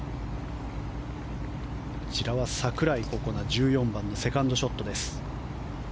櫻井心那、１４番セカンドショットです。